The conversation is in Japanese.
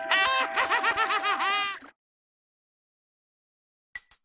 ハハハハハハ！